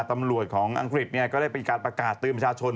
ตำรวจของอังกฤษก็ได้มีการประกาศเตือนประชาชน